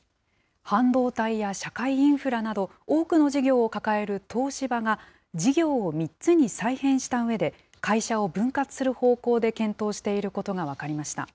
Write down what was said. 半導体や社会インフラなど、多くの事業を抱える東芝が、事業を３つに再編したうえで、会社を分割する方向で検討していることが分かりました。